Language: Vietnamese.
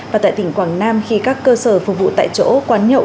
và tại tỉnh quảng nam khi các cơ sở phục vụ tại chỗ quán nhậu